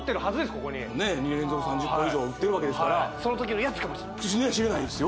ここに２年連続３０本以上打ってるわけですからその時のやつかもしれないしれないですよ